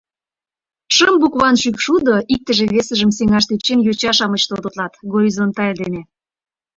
— Шым букван шӱкшудо, — иктыже весыжым сеҥаш тӧчен, йоча-шамыч тототлат, — горизонталь дене...